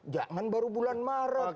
jangan baru bulan maret